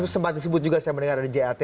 sempat disebut juga saya mendengar ada jat